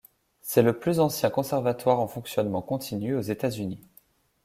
C’est le plus ancien conservatoire en fonctionnement continu aux États-Unis.